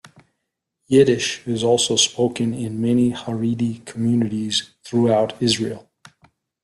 Yiddish is also spoken in many Haredi communities throughout Israel.